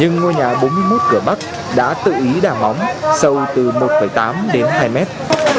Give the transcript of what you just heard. nhưng ngôi nhà bốn mươi một cửa bắc đã tự ý đà bóng sâu từ một tám đến hai mét